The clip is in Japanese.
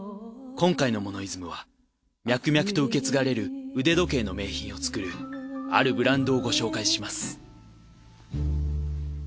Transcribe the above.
今回の『モノイズム』は脈々と受け継がれる腕時計の名品を作るあるブランドをご紹介します。